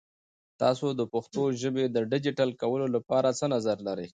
تاسو د پښتو ژبې د ډیجیټل کولو لپاره څه نظر لرئ؟